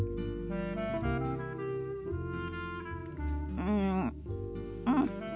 うんうん。